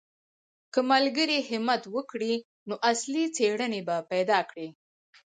که ملګري همت وکړي نو اصلي څېړنې به پیدا کړي.